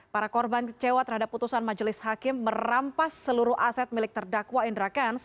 para korban kecewa terhadap putusan majelis hakim merampas seluruh aset milik terdakwa indra kents